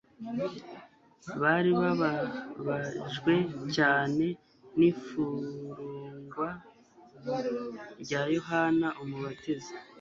Bari bababajwe cyane n'ifurugwa rya Yohana Umubatiza.